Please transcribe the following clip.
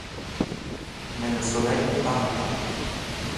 Mais le soleil ne parut pas.